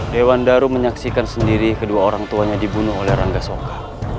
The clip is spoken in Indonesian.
dewan daru menyaksikan sendiri kedua orang tuanya dibunuh oleh rangga soka